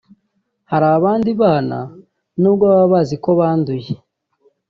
Hari abandi bana n’ubwo baba bazi ko banduye